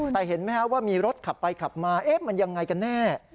แต่เห็นไหมครับว่ามีรถขับไปขับมามันยังไงกันแน่